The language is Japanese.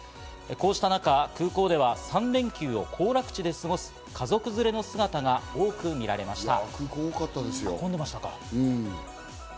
こうした中、空港では３連休を行楽地で過ごす家族連れの姿が多く見られました。